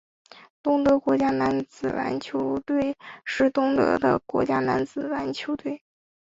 东德国家男子篮球队是东德的国家男子篮球队。